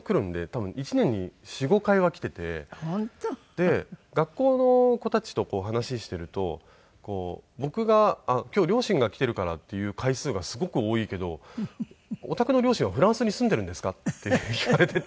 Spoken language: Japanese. で学校の子たちと話していると僕が「“今日両親が来ているから”って言う回数がすごく多いけどおたくの両親はフランスに住んでいるんですか？」って言われていて。